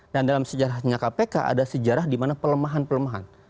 dan dalam sejarahnya kpk ada sejarah di mana pelemahan pelemahan